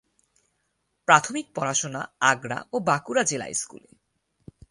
প্রাথমিক পড়াশোনা আগ্রা ও বাঁকুড়া জেলা স্কুলে।